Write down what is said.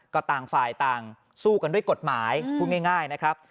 ก็ต่างฝ่ายต่างสู้กันด้วยกฎหมายพูดง่ายนะครับ